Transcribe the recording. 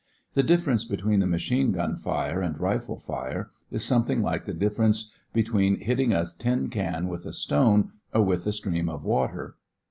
The difference between the machine gun fire and rifle fire is something like the difference between hitting a tin can with a stone or with a stream of water.